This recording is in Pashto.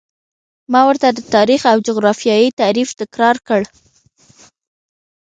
ما ورته د تاریخ او جغرافیې تعریف تکرار کړ.